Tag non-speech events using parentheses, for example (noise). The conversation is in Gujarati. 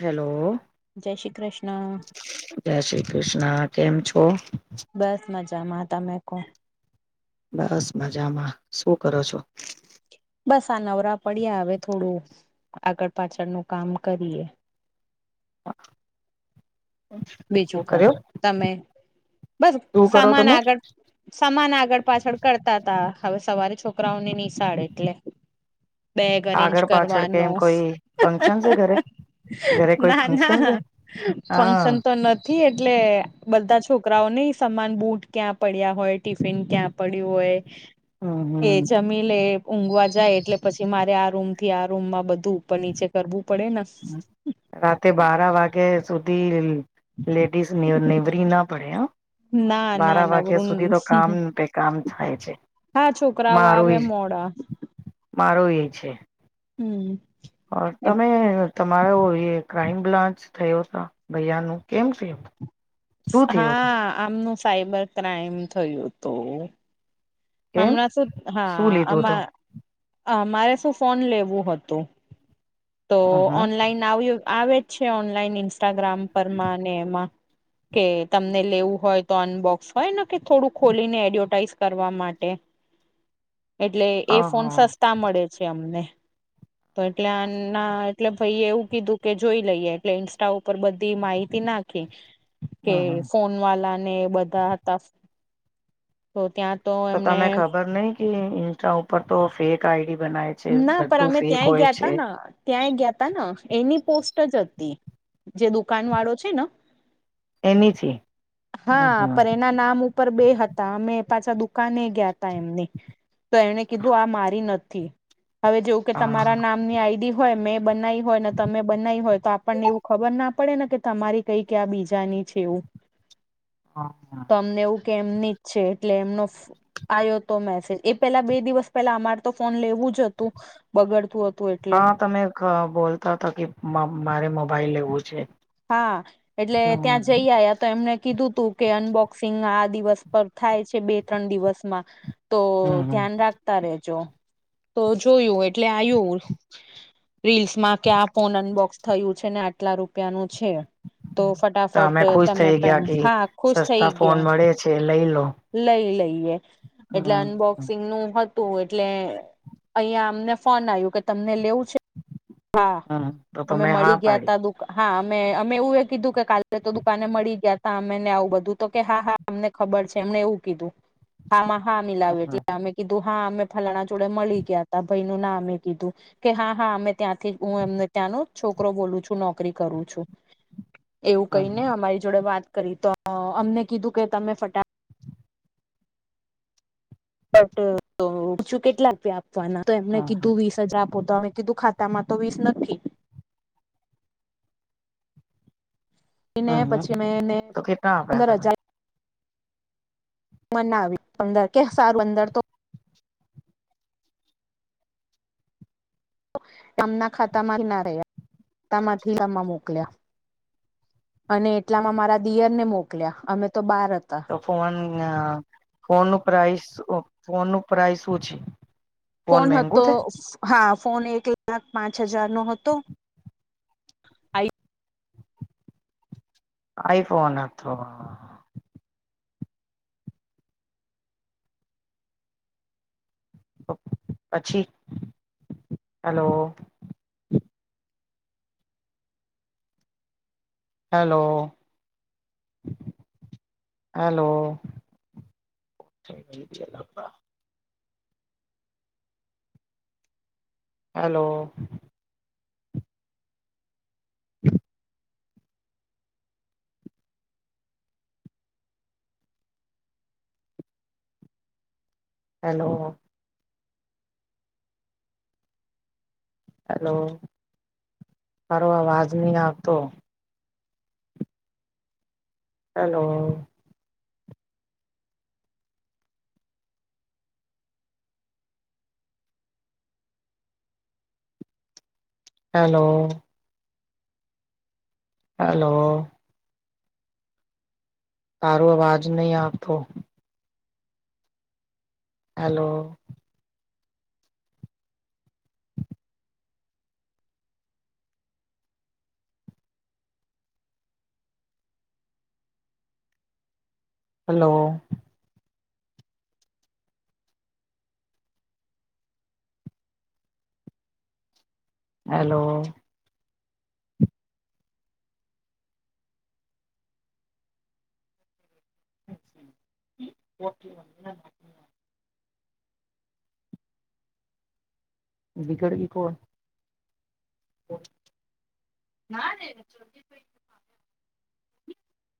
હેલો. જય શ્રી કૃષ્ણ. જય શ્રી કૃષ્ણ કેમ છો? બસ મજામાં કોહ. બસ મજામાં શું કરો છો. બસ આ નવરા પડ્યા હવે થોડું આગળ પાછળનું કામ કરીએ. શું બીજુકો કર્યો તમે બસ શું કરો સામાન તમે આગળ પાછળ સમાન આગળ પાછળ કરતા તા હવે સવારે છોકરાઓને નિશાળ એટલે. બેગ અરેન્જ આગળ પાછળ કે કરવાનો એમ કોઈ ફંક્શન છે ઘરે ઘરે કોઈ ફંક્શન ના-ના. છે ફંક્શન હા તો તો નથી એટલે બધા છોકરાઓની સમાન બુટ ક્યાં પડ્યા હોય ટિફિન ક્યાં પડ્યું હોય હમ એ હમ જમીલે ઊંઘવા જાય એટલે પછી મારે આ રૂમ થી આ રૂમમાં બધું ઉપર નીચે કરવું પડે ન. રાતે બારા વાગે સુધી રીલ લેડીસ નીવરી ના પડે હા ના ના બારા વાગ્યા સુધી નવરું તો કામ પ કામ થાય છે. હા છોકરાઓ આવે મોડા. મારો એ છે. હમ્મ. તમે તમારો એ ક્રાઈમ બ્રાન્ચ થયો ત ભૈયા નું કેમ થિયું. હા આમનું સાઈબર ક્રાઈમ થયું હતું. કેમ હમણાં શું શું હા અ લીધું હતું મા અમારે શું ફોન લેવું હતું. તો અહા ઓનલાઈન આવ્યું આવે જ છે ઓનલાઈન ઇન્સ્ટાગ્રામ પરમાં ને એમાં. કે તમને લેવું હોય તો અનબોક્સ હોય ને કે થોડું ખોલીને એડવર્ટાઈઝ કરવા માટે. એટલે એ ફોન અહા સસ્તા મળે છે અમને તો એટલે આન ના એટલે ભાઈ એ એવુ કીધું કે જોઈ લઈએ એટલે ઇન્સ્ટા ઉપર બધી માહિતી નાખી. કે અહા ફોન વાલા ને બધા હતા. તો ત્યાં તો એમને તમે ખબર નઈ કે ઇન્સ્ટા ઉપર તો ફેક આઈડી બનાય. છે ના પણ બધું અમે ફેક ત્યાંય હોય ગયા છે તા ન. ત્યાં ગયા હતા ને એની પોસ્ટ જ હતી જે દુકાનવાળો છે ન. એનીથી હમ હા પણ એના નામ ઉપર બે હતા અમે પાછા દુકાને ગયા તા એમની. તો એણે કીધું આ મારી નથી. હવે જેવું કે હા તમારા નામની આઈડી હોય મેં બનાઈ હોય ને તમે બનાઈ હોય તો આપણને એવું ખબર ના પડે ને કે તમારી કઈ ક આ બીજાની છે એવું. હા હા. તમને એવું કે એમની જ છે એટલે એમનો આવ્યો તો મેસેજ એ પેલા બે દિવસ પેલા અમારે તો ફોન લેવું જ જતું બગડતું હતું એટલે. હા તમે ગ બોલતા હતા કે મારે મોબાઈલ લેવું છે. હા એટલે હમ ત્યાં જઈ આયા તો એમને કીધું તું. કે અનબોક્સિંગ આ દિવસ પર થાય છે બે ત્રણ દિવસમાં તો હમ ધ્યાન રાખ રાખતા રેજો તો જોયું એટલે આયુ. રીલ્સમાં કે આ ફોન અનબોક્સ થયું છે ને આટલા રૂપિયાનું છે. તો તો ફટાફટ અમે ખુશ તમે થઈ પેમ ગયા કે હા ખુશ થઈ સસ્તા ફોન ગયા. મળે છે લઈ લો લઈ લઈએ એટલે અનબોક્સ હમ શિગનું હતું, એટલે અહિયાં અમને ફોન આવ્યું કે તમને લેવું હા હમ તો અમે તમે હા મળી પાડી ગયાતા દુખ હા અમે અમે એવું એ કીધું, કે કાલે તો દુકાને મળી ગયાતા અમેને આવું બધું તો કે હા હા અમને ખબર છે, એમને એવું કીધું હા માં હા મિલાવ્યું હમ એટલે અમે કીધું હા અમે ફલાણા જોડે મળી ગયાતા ભાઈ નું નામે કીધું કે હા હા અમે ત્યાંથી હું એમને ત્યાંનો છોકરો બોલું છું, નોકરી કરું છુ એવું હમ કંઈને અમારી જોડે વાત કરીતો અમને કીધું કે તમે ફટાફટ પુછ્યું તો કેટલા રૂપિયા આપવાના તો એમને હમ કીધું વીસ વીસ જ આપો તો અમે કીધું ખાતામાં તો વીસ નથી હમ હમ પછી મેં એને તો કેટલા આપ્યા પંદર તમે હજાર પણ ના આવી પંદર કે સારું પંદર તો તેમના ખાતામાંના રહ્યા ખાતામાંથી આમાં મોકલ્યા અને એટલામાં મારા દિયરને મોકલ્યા અમે તો બાર હતા તો ફોન ફોન નું પ્રાઇસ ફોનનું પ્રાઇસ ઓછી ફોન હતો હા ફોન એક લાખ પાંચ હજારનો હતો આઈ આઈફોન હતો પછી હાલો હાલો, હલો (inaudible) હાલો (inaudible) હાલો હાલો તારો અવાજ નહીં આવતો હાલો હાલો હાલો તારો અવાજ નહીં આવતો હાલો હાલો હેલો ઓકે (unintelligible) (unintelligible) કોણ (unintelligible)